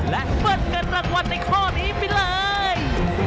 และเบิ้ลเงินรางวัลในข้อนี้ไปเลย